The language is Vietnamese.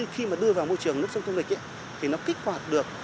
khi mà đưa vào môi trường nước sông thông lịch thì nó kích hoạt được